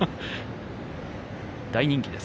大人気です。